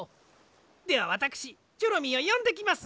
ではわたくしチョロミーをよんできます。